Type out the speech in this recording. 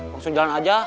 langsung jalan aja